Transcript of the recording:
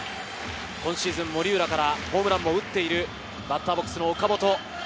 今シーズン森浦からホームランも打っているバッターボックスの岡本。